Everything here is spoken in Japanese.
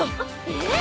えっ？